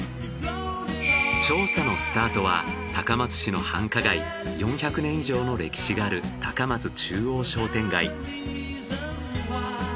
調査のスタートは高松市の繁華街４００年以上の歴史がある高松中央商店街。